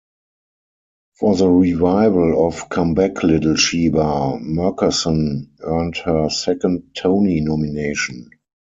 For the revival of "Come Back, Little Sheba", Merkerson earned her second Tony nomination.